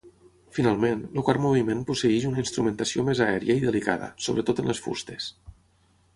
Finalment, el quart moviment posseeix una instrumentació més aèria i delicada, sobretot en les fustes.